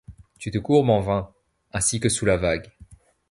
Tu te courbes en vain. Ainsi que sous la vague